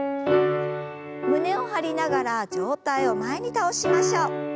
胸を張りながら上体を前に倒しましょう。